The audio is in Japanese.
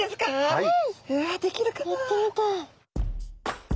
はい。